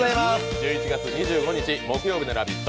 １１月２５日、木曜日の「ラヴィット！」